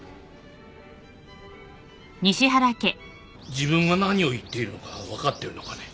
自分が何を言っているのか分かっているのかね？